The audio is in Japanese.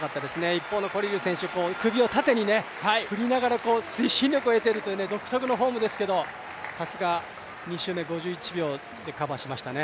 一方のコリル選手、首を縦に振りながら推進力を得ているという独特のフォームですけど、さすが２周目５１秒でカバーしましたね。